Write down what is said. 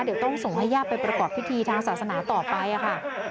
เดี๋ยวต้องส่งให้ญาติไปประกอบพิธีทางศาสนาต่อไปค่ะ